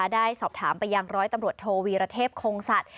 ได้สอบถามไปยังร้อยตำรวจโทวีรเทพคงสัตว